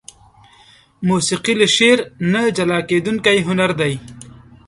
موسيقي له شعر نه جلاکيدونکى هنر دى.